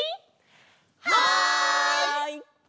はい！